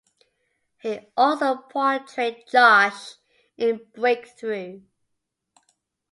He also portrayed Josh in "Breakthrough".